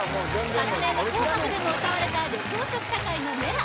昨年の「紅白」でも歌われた緑黄色社会の「Ｍｅｌａ！」